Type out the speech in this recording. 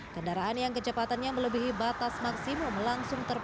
kendaraan yang kecepatannya melebihi batas maksimum langsung terbang